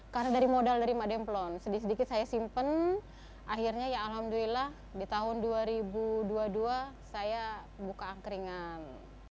karena dari modal dari mak demplon sedikit sedikit saya simpen akhirnya ya alhamdulillah di tahun dua ribu dua puluh dua saya buka angkringan